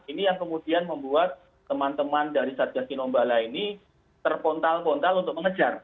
ini yang kemudian membuat teman teman dari satgas kinombala ini terpontal pontal untuk mengejar